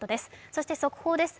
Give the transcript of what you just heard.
そして速報です